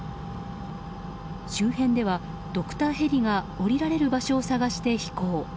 周辺ではドクターヘリが降りられる場所を探して飛行。